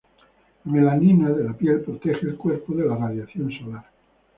La melanina de la piel protege al cuerpo de la radiación solar.